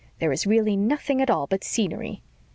There is really nothing at all but scenery."